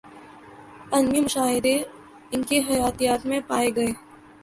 علمی مشاہدے ان کی حیاتیات میں پائے گئے